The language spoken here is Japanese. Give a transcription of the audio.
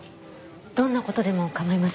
どんな事でも構いません。